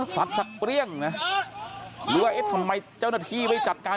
สัตว์ซักเปรี้ยงทำไมเจ้าหน้าที่ไม่จัดการ